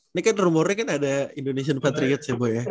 ini kan rumornya kan ada indonesian patriots ya bu ya